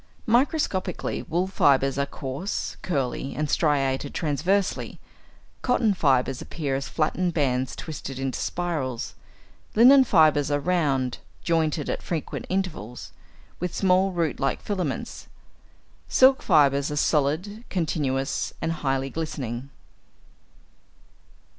= Microscopically, wool fibres are coarse, curly, and striated transversely; cotton fibres appear as flattened bands twisted into spirals; linen fibres are round, jointed at frequent intervals, with small root like filaments; silk fibres are solid, continuous, and highly glistening.